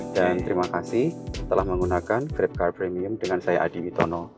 dan terima kasih telah menggunakan grabcar premium dengan saya adi witono